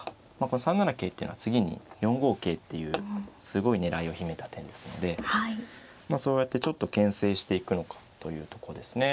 これ３七桂っていうのは次に４五桂っていうすごい狙いを秘めた手ですのでそうやってちょっとけん制していくのかというとこですね。